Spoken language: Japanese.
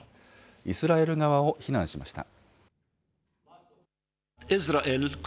イスラエル側を非難しました。